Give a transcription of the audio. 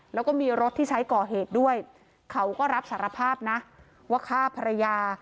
แล้วก็มีรถที่ใช้ก่อเหตุด้วยเขาก็รับสารภาพนะว่าฆ่าภรรยา